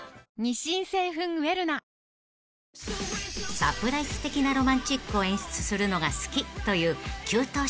［サプライズ的なロマンチックを演出するのが好きという９頭身